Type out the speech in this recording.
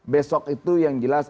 besok itu yang jelas